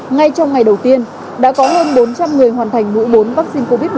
ngay trong ngày đầu tiên đã có hơn bốn trăm linh người hoàn thành mũi bốn vaccine covid một mươi chín